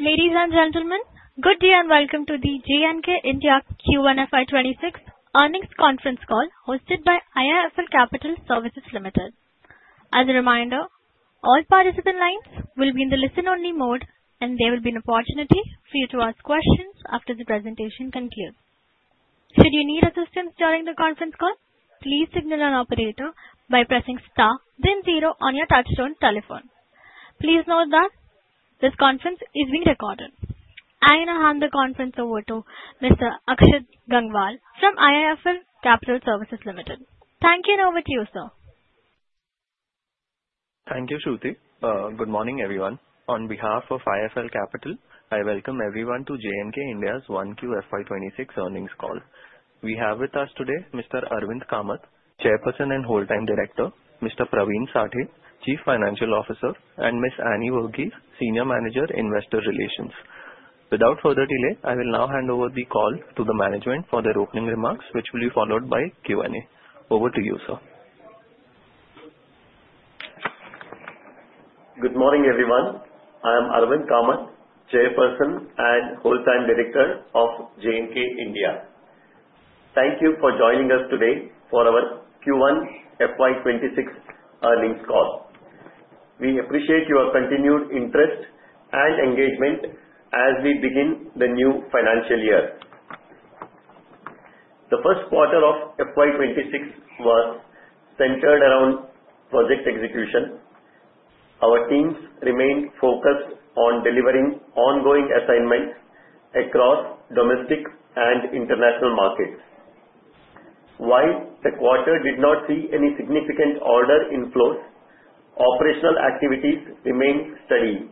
Ladies and gentlemen, good day and welcome to the JNK India Q1 FY26 earnings conference call hosted by IIFL Capital Services Limited. As a reminder, all participant lines will be in the listen only mode, and there will be an opportunity for you to ask questions after the presentation concludes. Should you need assistance during the conference call, please signal an operator by pressing star then zero on your touchtone telephone. Please note that this conference is being recorded. I now hand the conference over to Mr. Akshit Gangwal from IIFL Capital Services Limited. Thank you. Now over to you, sir. Thank you, Shruti. Good morning, everyone. On behalf of IIFL Capital, I welcome everyone to JNK India's 1Q FY2026 earnings call. We have with us today Mr. Arvind Kamath, Chairperson and Whole Time Director, Mr. Pravin Sathe, Chief Financial Officer, and Ms. Annie Varghese, Senior Manager, Investor Relations. Without further delay, I will now hand over the call to the management for their opening remarks, which will be followed by Q&A. Over to you, sir. Good morning, everyone. I am Arvind Kamath, Chairperson and Whole Time Director of JNK India. Thank you for joining us today for our Q1 FY 2026 earnings call. We appreciate your continued interest and engagement as we begin the new financial year. The first quarter of FY 2026 was centered around project execution. Our teams remained focused on delivering ongoing assignments across domestic and international markets. While the quarter did not see any significant order inflows, operational activities remained steady,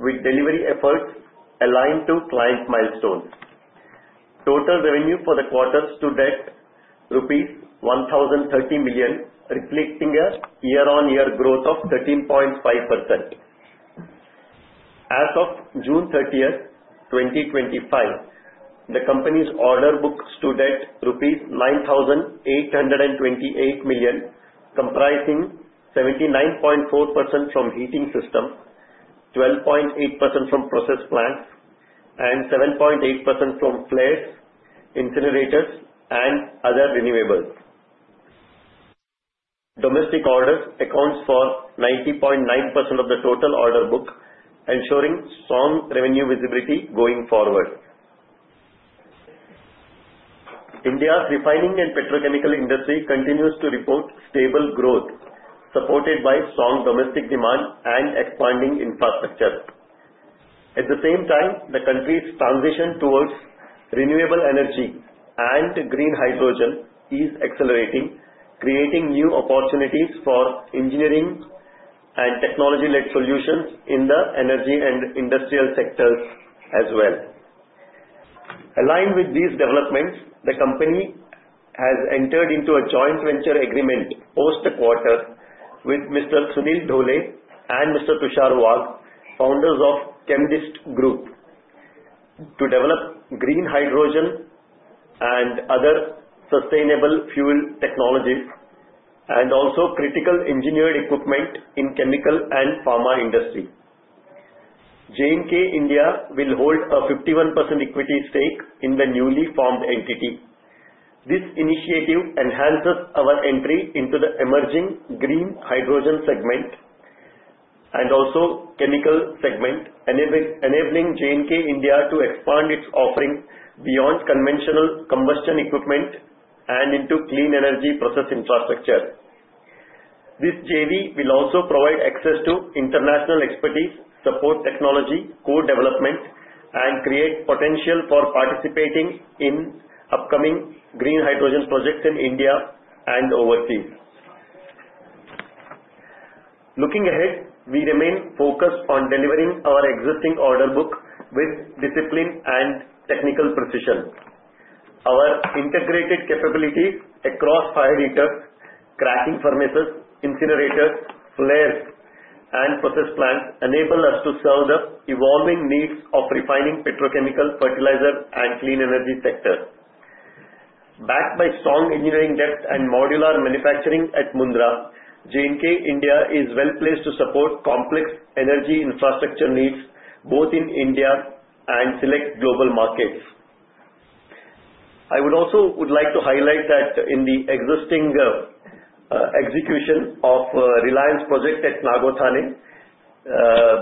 with delivery efforts aligned to client milestones. Total revenue for the quarter stood at INR 1,030 million, reflecting a year-on-year growth of 13.5%. As of June 30, 2025, the company's order book stood at INR 9,828 million, comprising 79.4% from heating systems, 12.8% from process plants, and 7.8% from flares, incinerators, and other renewables. Domestic orders accounts for 90.9% of the total order book, ensuring strong revenue visibility going forward. India's refining and petrochemical industry continues to report stable growth, supported by strong domestic demand and expanding infrastructure. At the same time, the country's transition towards renewable energy and green hydrogen is accelerating, creating new opportunities for engineering and technology-led solutions in the energy and industrial sectors as well. Aligned with these developments, the company has entered into a joint venture agreement post the quarter with Mr. Sunil Dhole and Mr. Tushar Wagh, founders of Chemdist Group, to develop green hydrogen and other sustainable fuel technologies and also critical engineered equipment in chemical and pharma industry. JNK India will hold a 51% equity stake in the newly formed entity. This initiative enhances our entry into the emerging green hydrogen segment and also chemical segment, enabling JNK India to expand its offering beyond conventional combustion equipment and into clean energy process infrastructure. This JV will also provide access to international expertise, support technology co-development, and create potential for participating in upcoming green hydrogen projects in India and overseas. Looking ahead, we remain focused on delivering our existing order book with discipline and technical precision. Our integrated capabilities across fire heaters, cracking furnaces, incinerators, flares, and process plants enable us to serve the evolving needs of refining petrochemical, fertilizer, and clean energy sectors. Backed by strong engineering depth and modular manufacturing at Mundra, JNK India is well-placed to support complex energy infrastructure needs both in India and select global markets. I would also like to highlight that in the existing execution of Reliance project at Nagothane,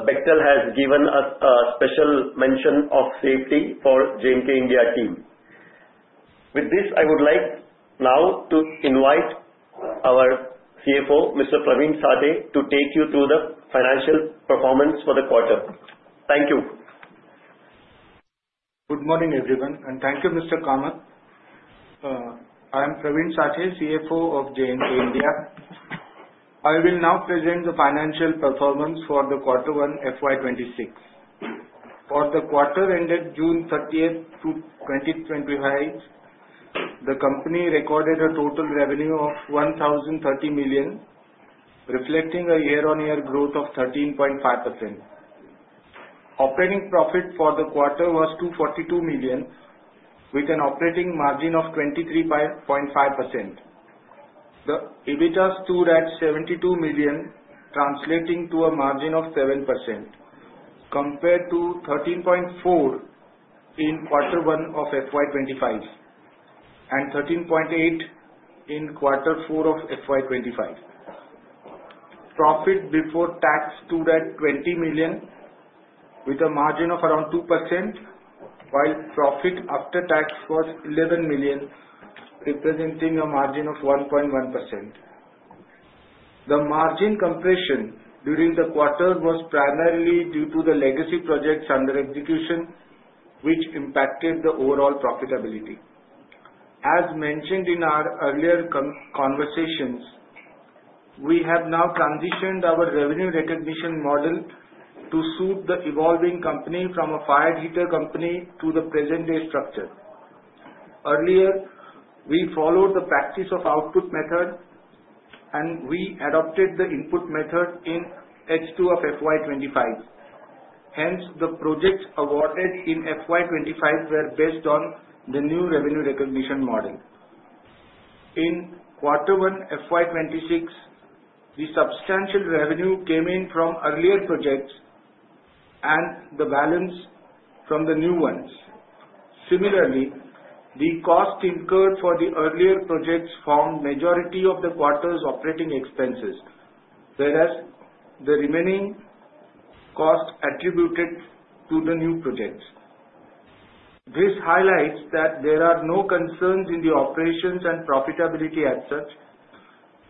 Bechtel has given us a special mention of safety for JNK India team. With this, I would like now to invite our CFO, Mr. Pravin Sathe, to take you through the financial performance for the quarter. Thank you. Good morning, everyone, and thank you, Mr. Kamath. I'm Pravin Sathe, CFO of JNK India. I will now present the financial performance for the Q1 FY 2026. For the quarter ended June 30th, 2025, the company recorded a total revenue of 1,030 million, reflecting a year-on-year growth of 13.5%. Operating profit for the quarter was 242 million, with an operating margin of 23.5%. The EBITDA stood at 72 million, translating to a margin of 7%, compared to 13.4% in Q1 of FY 2025, and 13.8% in Q4 of FY 2025. Profit before tax stood at 20 million, with a margin of around 2%, while profit after tax was 11 million, representing a margin of 1.1%. The margin compression during the quarter was primarily due to the legacy projects under execution, which impacted the overall profitability. As mentioned in our earlier conversations, we have now transitioned our revenue recognition model to suit the evolving company from a fire heater company to the present-day structure. Earlier, we followed the practice of output method. We adopted the input method in H2 of FY 2025. The projects awarded in FY 2025 were based on the new revenue recognition model. In quarter one FY 2026, the substantial revenue came in from earlier projects and the balance from the new ones. The cost incurred for the earlier projects formed majority of the quarter's operating expenses, whereas the remaining cost attributed to the new projects. This highlights that there are no concerns in the operations and profitability as such,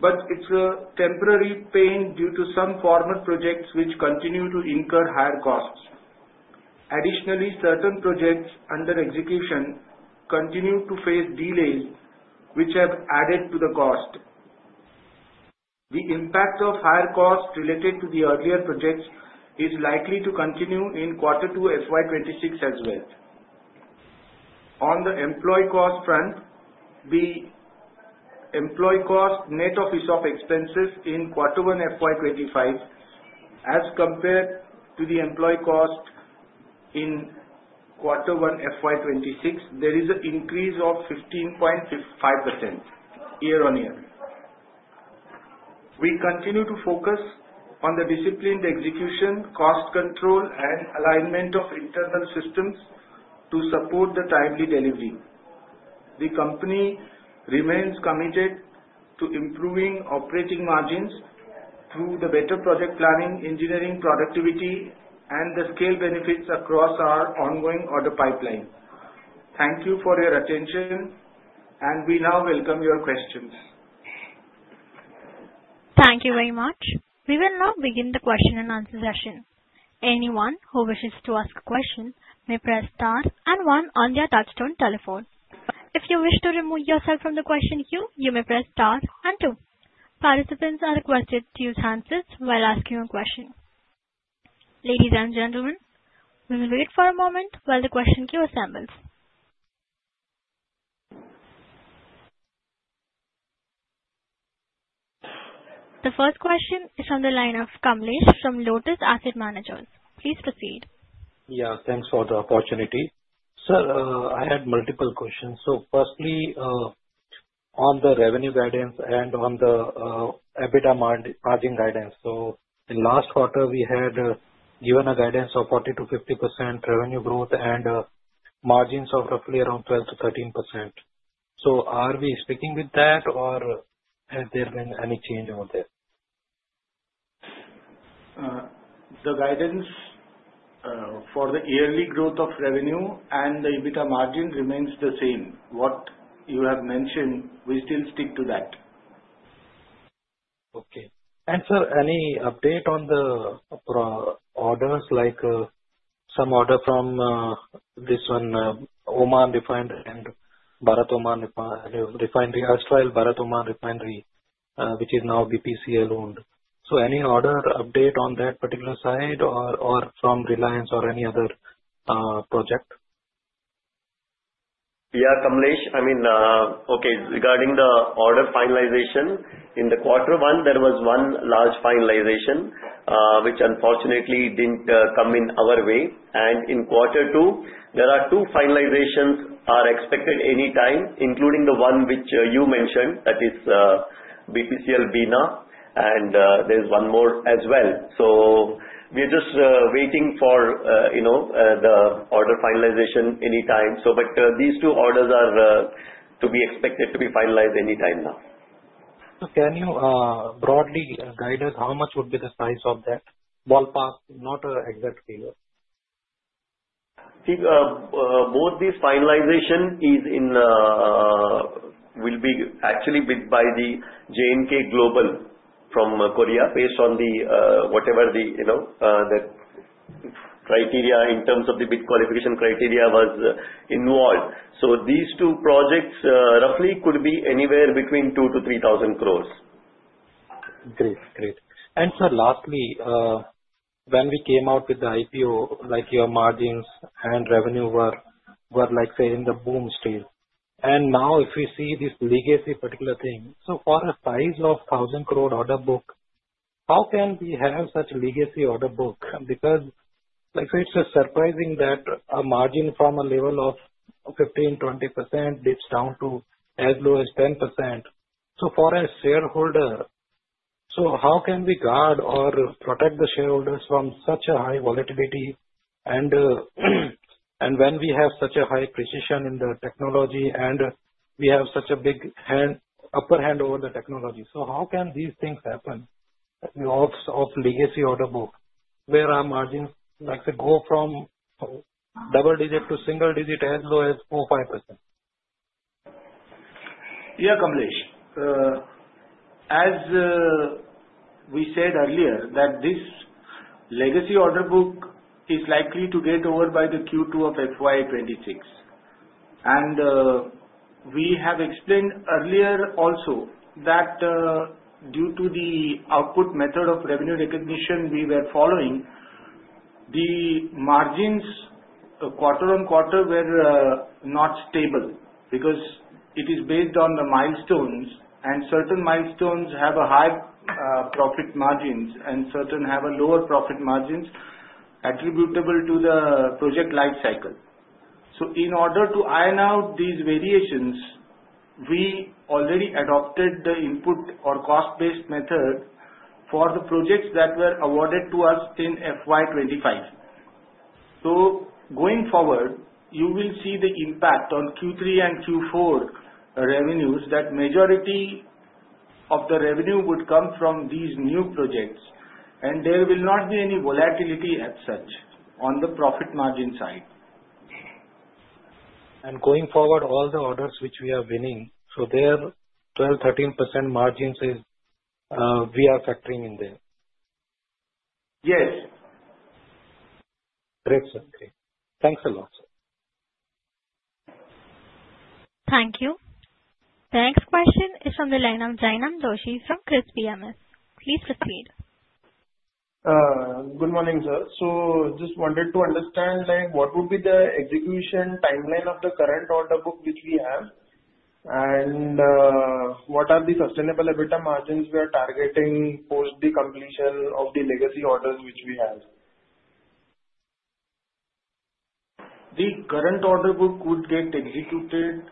but it's a temporary pain due to some former projects which continue to incur higher costs. Certain projects under execution continue to face delays, which have added to the cost. The impact of higher costs related to the earlier projects is likely to continue in quarter two FY 2026 as well. On the employee cost front, the employee cost net of ESOP expenses in quarter one FY 2025 as compared to the employee cost in quarter one FY 2026, there is an increase of 15.5% year-on-year. We continue to focus on the disciplined execution, cost control, and alignment of internal systems to support the timely delivery. The company remains committed to improving operating margins through the better project planning, engineering, productivity, and the scale benefits across our ongoing order pipeline. Thank you for your attention, and we now welcome your questions. Thank you very much. We will now begin the question and answer session. Anyone who wishes to ask a question may press star and one on their touch-tone telephone. If you wish to remove yourself from the question queue, you may press star and two. Participants are requested to use handsets while asking a question. Ladies and gentlemen, we will wait for a moment while the question queue assembles. The first question is on the line of Kamlesh from Lotus Asset Managers. Please proceed. Yeah, thanks for the opportunity. Sir, I had multiple questions. Firstly, on the revenue guidance and on the EBITDA margin guidance. In last quarter, we had given a guidance of 40%-50% revenue growth and margins of roughly around 12%-13%. Are we sticking with that or has there been any change over there? The guidance for the yearly growth of revenue and the EBITDA margin remains the same. What you have mentioned, we still stick to that. Okay. Sir, any update on the orders, like some order from this one Oman Refinery and Bharat Oman Refinery, Astrel Bharat Oman Refinery, which is now BPCL owned. Any order update on that particular side or from Reliance or any other project? Yeah, Kamlesh. Okay. Regarding the order finalization, in the quarter one, there was one large finalization, which unfortunately didn't come in our way. In quarter two, there are two finalizations are expected any time, including the one which you mentioned, that is BPCL Bina, and there's one more as well. We are just waiting for the order finalization any time. These two orders are to be expected to be finalized any time now. Can you broadly guide us how much would be the size of that, ballpark, not an exact figure? Both these finalization will be actually bid by the JNK Global from Korea based on whatever the criteria in terms of the bid qualification criteria was involved. These two projects roughly could be anywhere between 2,000-3,000 crores. Great. Sir, lastly, when we came out with the IPO, your margins and revenue were, let's say, in the boom stage. Now if we see this legacy particular thing, for a size of 1,000 crore order book. How can we have such a legacy order book? Because it's surprising that a margin from a level of 15%, 20% dips down to as low as 10%. For a shareholder, how can we guard or protect the shareholders from such a high volatility and when we have such a high precision in the technology and we have such a big upper hand over the technology? How can these things happen, lots of legacy order book, where our margins, let's say, go from double digit to single digit, as low as 4%, 5%? Yeah, Kamlesh. As we said earlier that this legacy order book is likely to get over by the Q2 of FY 2026. We have explained earlier also that due to the output method of revenue recognition we were following, the margins quarter-on-quarter were not stable because it is based on the milestones, and certain milestones have high profit margins and certain have lower profit margins attributable to the project life cycle. In order to iron out these variations, we already adopted the input or cost-based method for the projects that were awarded to us in FY 2025. Going forward, you will see the impact on Q3 and Q4 revenues, that majority of the revenue would come from these new projects, and there will not be any volatility as such on the profit margin side. Going forward, all the orders which we are winning, so their 12, 13% margins, we are factoring in there? Yes. Great, sir. Great. Thanks a lot, sir. Thank you. The next question is on the line of Jainam Doshi from Kriis PMS. Please proceed. Good morning, sir. Just wanted to understand, what would be the execution timeline of the current order book which we have, and what are the sustainable EBITDA margins we are targeting post the completion of the legacy orders which we have? The current order book could get executed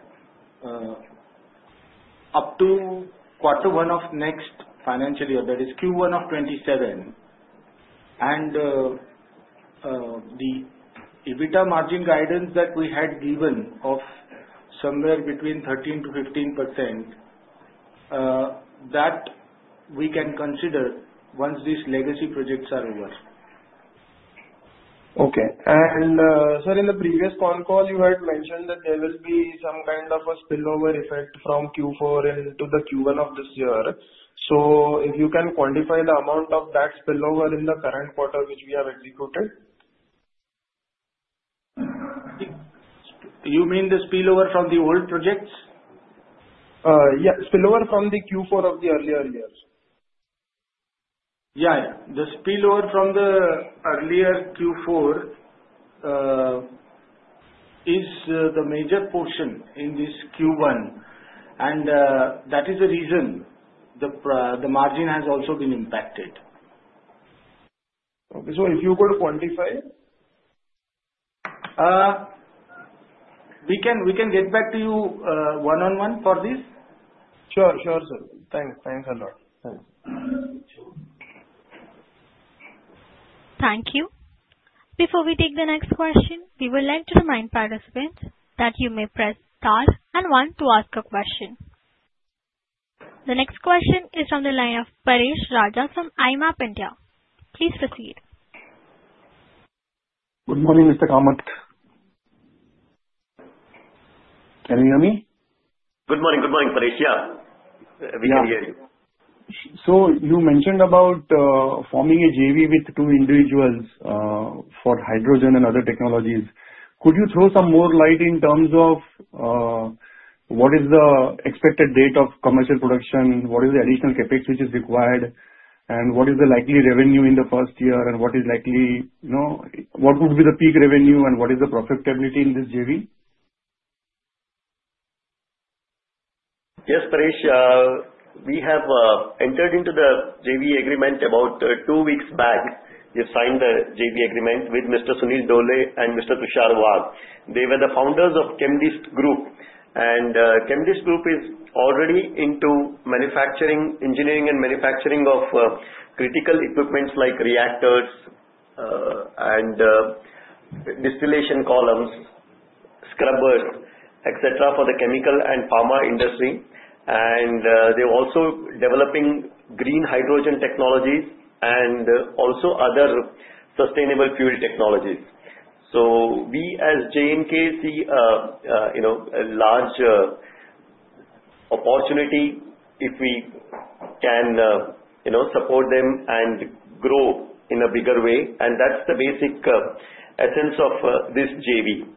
up to quarter one of next financial year, that is Q1 of 2027. The EBITDA margin guidance that we had given of somewhere between 13%-15%, that we can consider once these legacy projects are over. Okay. Sir, in the previous con call, you had mentioned that there will be some kind of a spillover effect from Q4 into the Q1 of this year. If you can quantify the amount of that spillover in the current quarter which we have executed. You mean the spillover from the old projects? Yeah, spillover from the Q4 of the earlier years. Yeah. The spillover from the earlier Q4 is the major portion in this Q1, and that is the reason the margin has also been impacted. Okay. If you could quantify? We can get back to you one-on-one for this. Sure, sir. Thanks a lot. Thanks. Thank you. Before we take the next question, we would like to remind participants that you may press star and one to ask a question. The next question is on the line of Paresh Raja from IMAP India. Please proceed. Good morning, Mr. Kamath. Can you hear me? Good morning, Paresh. Yeah. We can hear you. You mentioned about forming a JV with two individuals for hydrogen and other technologies. Could you throw some more light in terms of what is the expected date of commercial production, what is the additional CapEx which is required, and what is the likely revenue in the first year, and what would be the peak revenue, and what is the profitability in this JV? Yes, Paresh. We have entered into the JV agreement about two weeks back. We have signed the JV agreement with Mr. Sunil Dhole and Mr. Tushar Wagh. They were the founders of Chematur Group. Chematur Group is already into engineering and manufacturing of critical equipments like reactors and distillation columns, scrubbers, et cetera, for the chemical and pharma industry. They're also developing green hydrogen technologies and also other sustainable fuel technologies. We as JNK see a large opportunity if we can support them and grow in a bigger way, and that's the basic essence of this JV.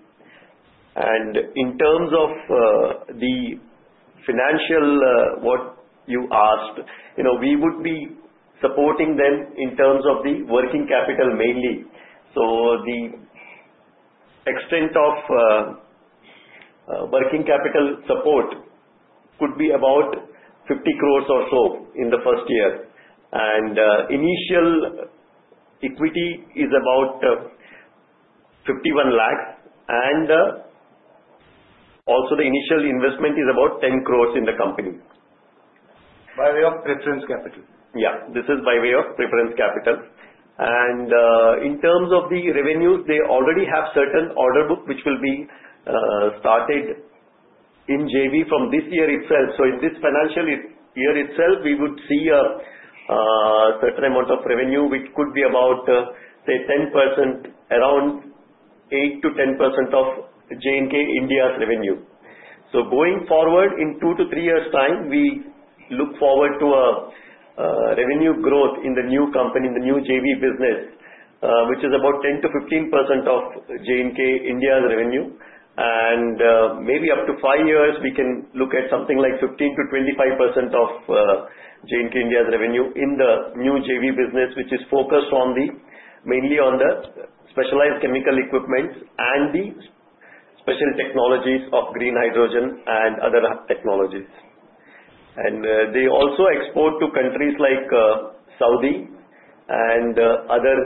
In terms of the financial, what you asked, we would be supporting them in terms of the working capital mainly. The extent of- Working capital support could be about 50 crores or so in the 1st year. Initial equity is about 51 lakhs. Also the initial investment is about 10 crores in the company. By way of preference capital? Yeah, this is by way of preference capital. In terms of the revenues, they already have certain order book which will be started in JV from this year itself. In this financial year itself, we would see a certain amount of revenue, which could be about, say, 10%, around 8%-10% of JNK India's revenue. Going forward, in two to three years' time, we look forward to a revenue growth in the new company, the new JV business, which is about 10%-15% of JNK India's revenue. Maybe up to five years, we can look at something like 15%-25% of JNK India's revenue in the new JV business, which is focused mainly on the specialized chemical equipment and the special technologies of green hydrogen and other technologies. They also export to countries like Saudi and other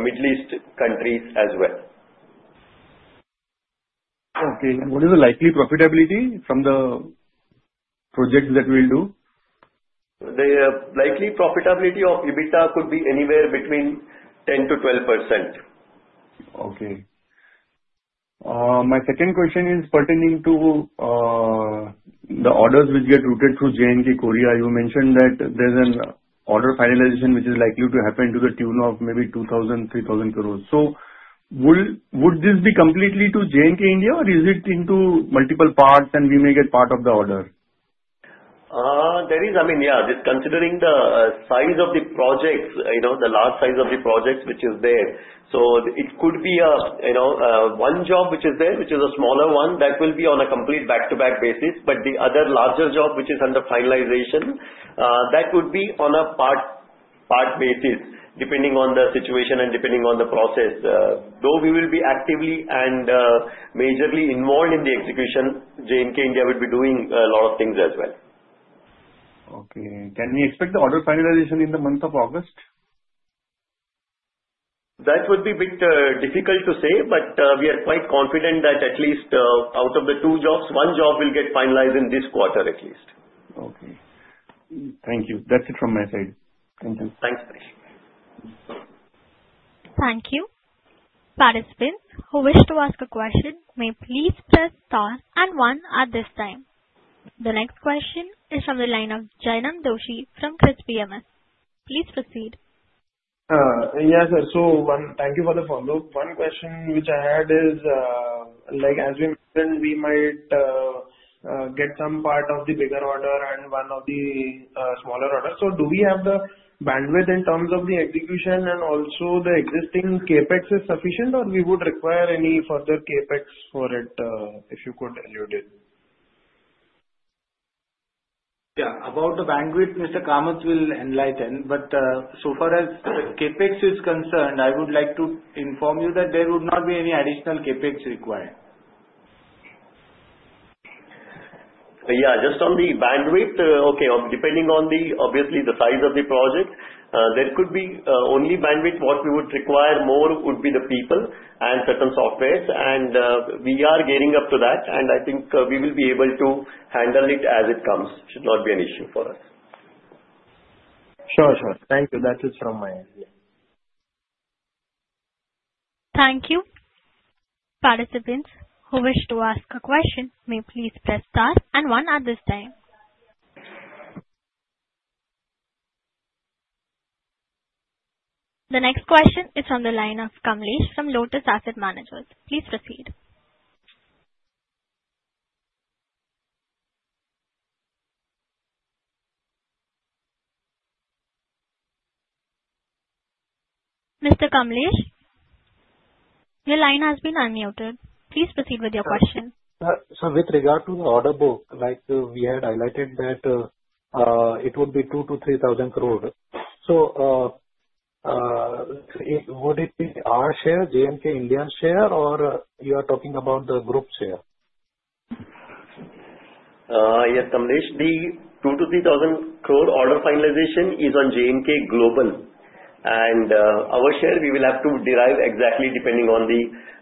Middle East countries as well. Okay. What is the likely profitability from the projects that we'll do? The likely profitability of EBITDA could be anywhere between 10%-12%. Okay. My second question is pertaining to the orders which get routed through JNK Korea. You mentioned that there's an order finalization which is likely to happen to the tune of maybe 2,000 crore, 3,000 crore. Would this be completely to JNK India or is it into multiple parts and we may get part of the order? There is. I mean, yeah, just considering the size of the projects, the large size of the projects which is there. It could be one job which is there, which is a smaller one that will be on a complete back-to-back basis, but the other larger job which is under finalization, that would be on a part basis depending on the situation and depending on the process. Though we will be actively and majorly involved in the execution, JNK India would be doing a lot of things as well. Okay. Can we expect the order finalization in the month of August? That would be a bit difficult to say, but we are quite confident that at least out of the two jobs, one job will get finalized in this quarter at least. Okay. Thank you. That's it from my side. Thank you. Thanks, Paresh Thank you. Participants who wish to ask a question may please press star and one at this time. The next question is from the line of Jainam Doshi from CRISIL. Please proceed. Yes, sir. Thank you for the follow-up. One question which I had is, as we mentioned, we might get some part of the bigger order and one of the smaller orders. Do we have the bandwidth in terms of the execution and also the existing CapEx is sufficient, or we would require any further CapEx for it? If you could elude it. About the bandwidth, Mr. Kamath will enlighten, but so far as CapEx is concerned, I would like to inform you that there would not be any additional CapEx required. Just on the bandwidth. Okay. Depending on obviously the size of the project, there could be only bandwidth. What we would require more would be the people and certain softwares, and we are gearing up to that, and I think we will be able to handle it as it comes. Should not be an issue for us. Sure. Thank you. That is from my end. Yeah. Thank you. Participants who wish to ask a question may please press Star and One at this time. The next question is from the line of Kamlesh from Lotus Asset Managers. Please proceed. Mr. Kamlesh, your line has been unmuted. Please proceed with your question. Sir, with regard to the order book, like we had highlighted that it would be 2,000-3,000 crore. Would it be our share, JNK India's share, or you are talking about the group's share? Yes, Kamlesh, the 2,000 crore-3,000 crore order finalization is on JNK Global. Our share, we will have to derive exactly depending on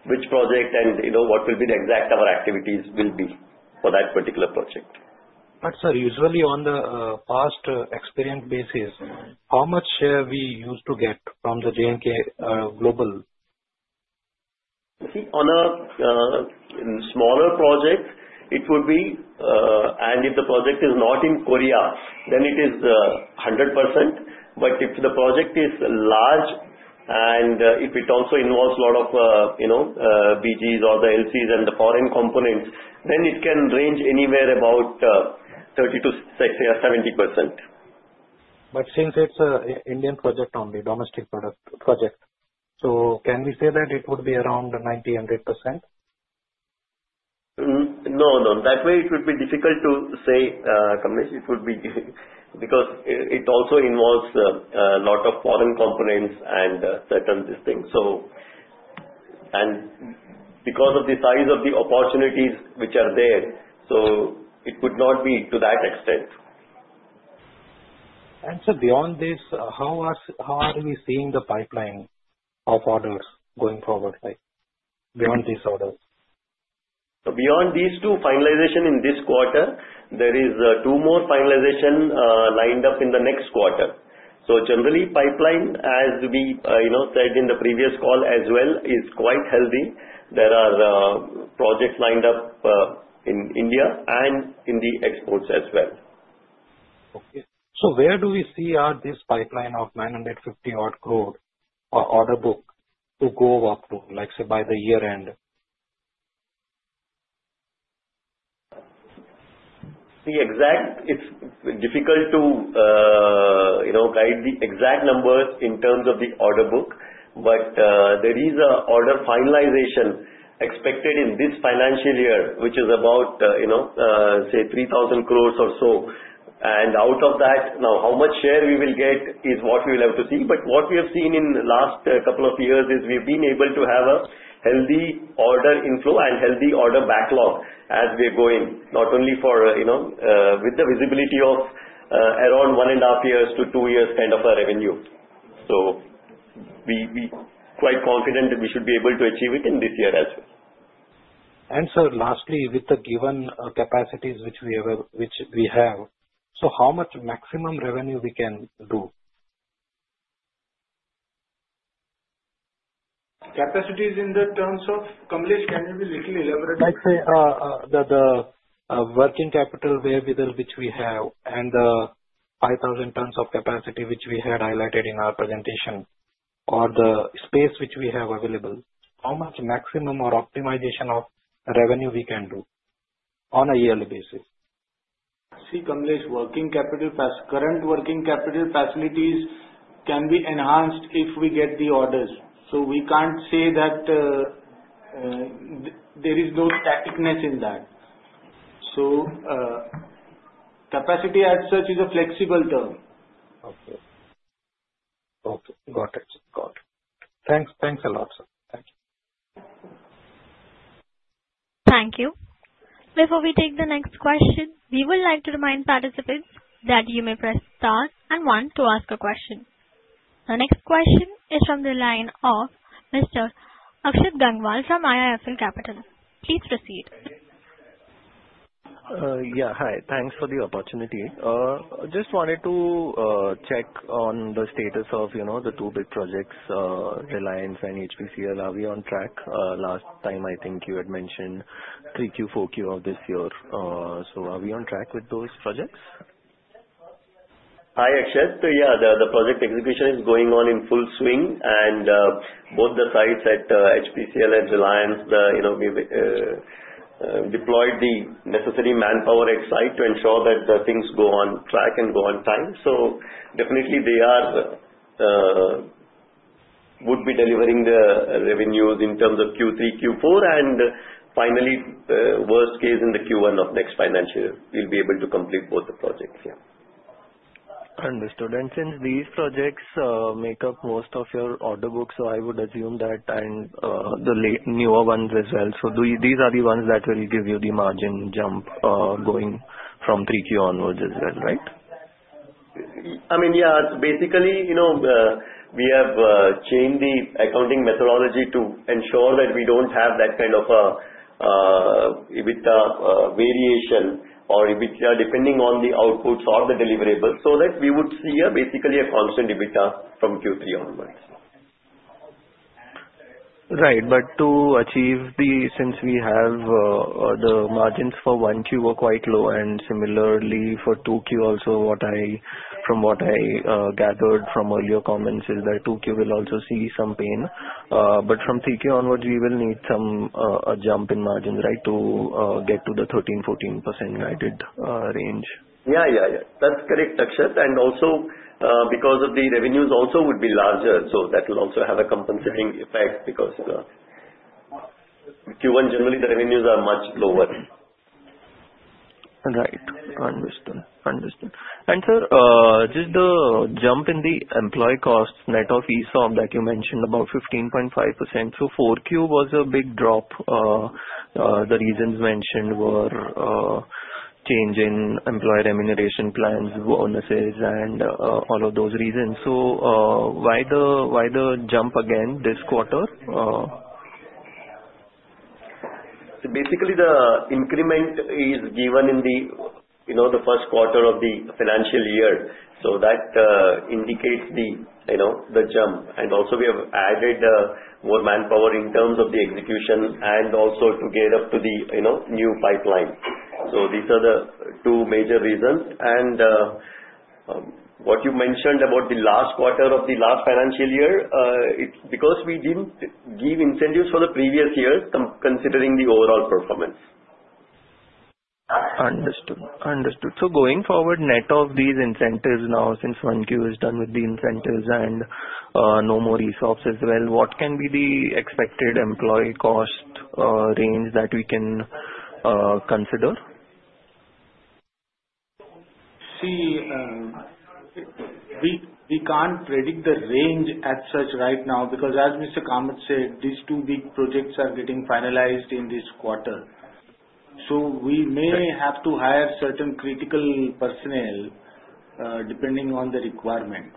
which project and what will be the exact our activities will be for that particular project. Sir, usually on the past experience basis, how much share we used to get from the JNK Global? See, on a smaller project, it would be, and if the project is not in Korea, then it is 100%. If the project is large and if it also involves lot of BGs or the LCs and the foreign components, then it can range anywhere about 30%-70%. Since it's an Indian project only, domestic project, can we say that it would be around 90%-100%? No. That way it would be difficult to say, Kamlesh, because it also involves a lot of foreign components and certain things. Because of the size of the opportunities which are there, it would not be to that extent. Sir, beyond this, how are we seeing the pipeline of orders going forward, beyond these orders? Beyond these two finalizations in this quarter, there are two more finalizations lined up in the next quarter. Generally, pipeline, as we said in the previous call as well, is quite healthy. There are projects lined up in India and in the exports as well. Where do we see this pipeline of 950 odd crore order book to go up to, say by the year-end? It's difficult to guide the exact numbers in terms of the order book. There is a order finalization expected in this financial year, which is about say 3,000 crores or so. Out of that, now how much share we will get is what we will have to see. What we have seen in the last couple of years is we've been able to have a healthy order inflow and healthy order backlog as we're going. With the visibility of around one and a half years to two years kind of a revenue. We're quite confident that we should be able to achieve it in this year as well. Sir, lastly, with the given capacities which we have, so how much maximum revenue we can do? Capacities in the terms of, Kamlesh, can you please elaborate? Let's say, the working capital wherewithal which we have and the 5,000 tons of capacity which we had highlighted in our presentation, or the space which we have available. How much maximum or optimization of revenue we can do on a yearly basis? See, Kamlesh, current working capital facilities can be enhanced if we get the orders. We can't say that. There is no static-ness in that. Capacity as such is a flexible term. Okay. Got it. Thanks a lot, sir. Thank you. Thank you. Before we take the next question, we would like to remind participants that you may press star and one to ask a question. The next question is from the line of Mr. Akshit Gangwal from IIFL Capital. Please proceed. Yeah, hi. Thanks for the opportunity. Just wanted to check on the status of the two big projects, Reliance and HPCL. Are we on track? Last time, I think you had mentioned 3Q, 4Q of this year. Are we on track with those projects? Hi, Akshit. Yeah, the project execution is going on in full swing and both the sites at HPCL and Reliance, we've deployed the necessary manpower at site to ensure that things go on track and go on time. Definitely they would be delivering the revenues in terms of Q3, Q4, and finally, worst case, in the Q1 of next financial year, we'll be able to complete both the projects. Yeah. Understood. Since these projects make up most of your order book, I would assume that and the newer ones as well. These are the ones that will give you the margin jump going from 3Q onwards as well, right? I mean, yeah. Basically, we have changed the accounting methodology to ensure that we don't have that kind of a EBITDA variation or EBITDA depending on the outputs or the deliverables, so that we would see basically a constant EBITDA from Q3 onwards. Right. Since we have the margins for 1Q were quite low, and similarly for 2Q also, from what I gathered from earlier comments is that 2Q will also see some pain. From 3Q onwards, we will need a jump in margins, right, to get to the 13%, 14% guided range. Yeah. That's correct, Akshit. Also, because of the revenues also would be larger, so that will also have a compensating effect because Q1, generally, the revenues are much lower. Right. Understood. Sir, just the jump in the employee costs net of ESOP that you mentioned, about 15.5%. 4Q was a big drop. The reasons mentioned were change in employee remuneration plans, bonuses, and all of those reasons. Why the jump again this quarter? Basically, the increment is given in the first quarter of the financial year. That indicates the jump. Also, we have added more manpower in terms of the execution and also to get up to the new pipeline. These are the two major reasons. What you mentioned about the last quarter of the last financial year, it's because we didn't give incentives for the previous year, considering the overall performance. Understood. going forward, net of these incentives now, since 1Q is done with the incentives and no more ESOPs as well, what can be the expected employee cost range that we can consider? See, we can't predict the range as such right now, because as Mr. Kamlesh said, these two big projects are getting finalized in this quarter. We may have to hire certain critical personnel, depending on the requirement.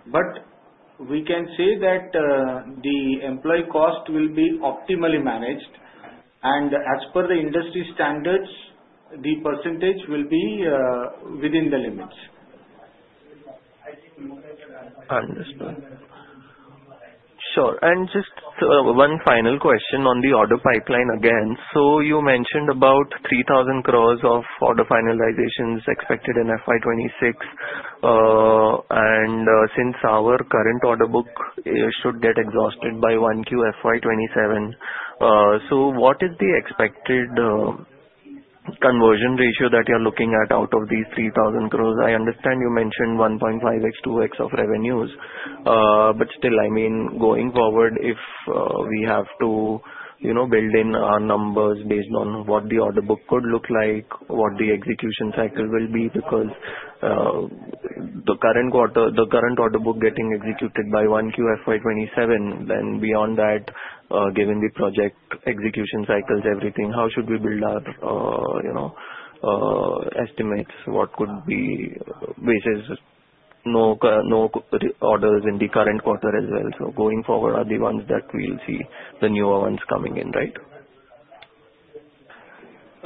We can say that the employee cost will be optimally managed and as per the industry standards, the percentage will be within the limits. Understood. Sure. Just one final question on the order pipeline again. You mentioned about 3,000 crores of order finalizations expected in FY 2026. Since our current order book should get exhausted by one QFY 2027. What is the expected conversion ratio that you're looking at out of these 3,000 crores? I understand you mentioned 1.5x, 2x of revenues. Still, going forward, if we have to build in our numbers based on what the order book could look like, what the execution cycle will be, because the current order book getting executed by one QFY 2027, then beyond that, given the project execution cycles, everything, how should we build our estimates? What could be basis? No orders in the current quarter as well. Going forward are the ones that we'll see the newer ones coming in, right?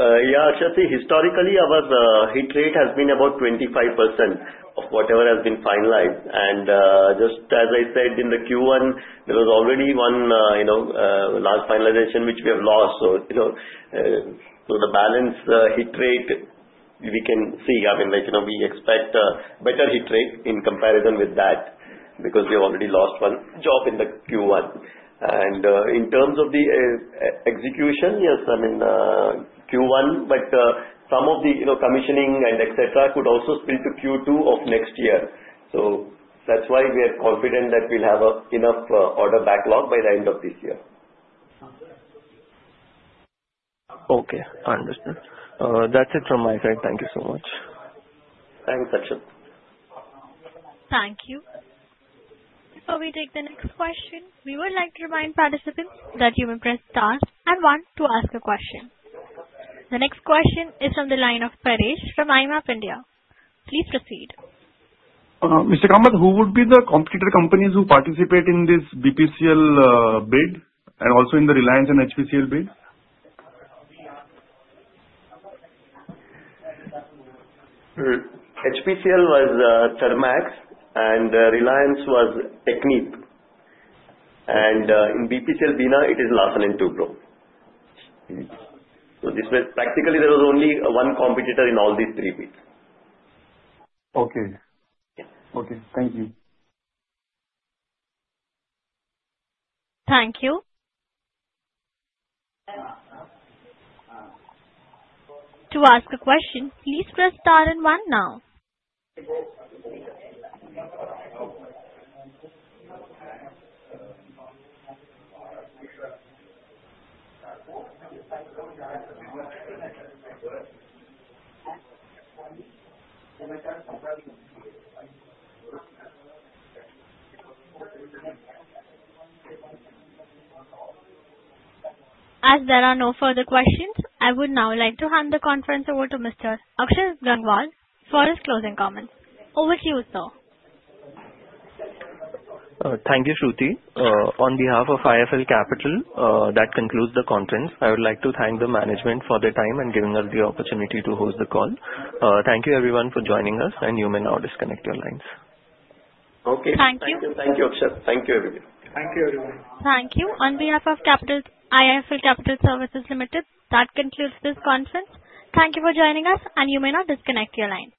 Yeah, Shashi, historically, our hit rate has been about 25% of whatever has been finalized. Just as I said in the Q1, there was already one last finalization, which we have lost. The balance hit rate we can see. We expect a better hit rate in comparison with that because we've already lost one job in the Q1. In terms of the execution, yes, Q1, but some of the commissioning and et cetera could also spill to Q2 of next year. That's why we are confident that we'll have enough order backlog by the end of this year. Okay, understood. That's it from my side. Thank you so much. Thanks, Shashi. Thank you. Before we take the next question, we would like to remind participants that you may press star and one to ask a question. The next question is on the line of Paresh from IMAP India. Please proceed. Mr. Kamath, who would be the competitor companies who participate in this BPCL bid and also in the Reliance and HPCL bid? HPCL was Thermax and Reliance was Technip. In BPCL, Bina, it is Larsen & Toubro. Practically, there was only one competitor in all these three bids. Okay. Yes. Okay. Thank you. Thank you. As there are no further questions, I would now like to hand the conference over to Mr. Akshit Gangwal for his closing comments. Over to you, sir. Thank you, Shruti. On behalf of IIFL Capital, that concludes the conference. I would like to thank the management for their time and giving us the opportunity to host the call. Thank you everyone for joining us, and you may now disconnect your lines. Okay. Thank you. Thank you, Akshit Gangwal. Thank you, everyone. Thank you, everyone. Thank you. On behalf of IIFL Capital Services Limited, that concludes this conference. Thank you for joining us, and you may now disconnect your lines.